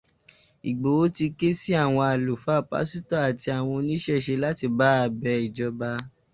Ìgbòho ti ké sí àwọn Àlùfáà, pásítọ̀, àti àwọn oníṣẹ̀ṣe láti báa bẹ ìjọba